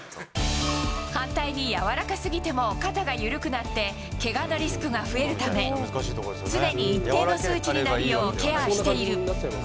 反対に柔らかすぎても肩がゆるくなって、けがのリスクが増えるため、常に一定の数値になるようケアしている。